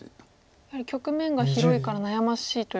やはり局面が広いから悩ましいということですか。